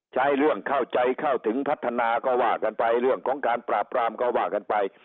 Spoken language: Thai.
ใช้เรื่องเข้าใจเข้าถึงพัฒนาก็ว่ากันไปเรื่องของการปราบปรามก็ว่ากันไป